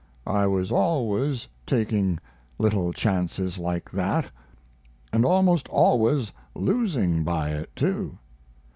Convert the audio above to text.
I was always taking little chances like that, and almost always losing by it, too.